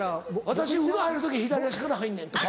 「私風呂入る時左足から入んねん」とか？